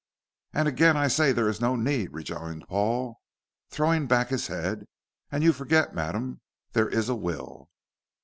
"And again I say there is no need," rejoined Paul, throwing back his head; "and you forget, madam, there is a will."